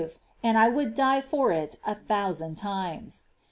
407 and I would die for it a thousand times.